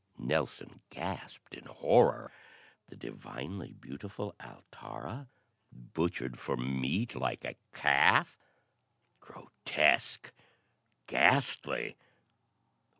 Nelson gasped in horror. The divinely beautiful Altara butchered for meat like a calf? Grotesque! Ghastly!